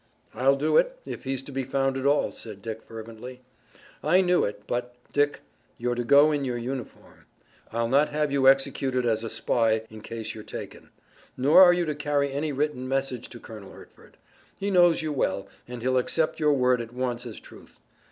"I'll do it, if he's to be found at all," said Dick fervently. "I knew it, but, Dick, you're to go in your uniform. I'll not have you executed as a spy in case you're taken. Nor are you to carry any written message to Colonel Hertford. He knows you well, and he'll accept your word at once as truth.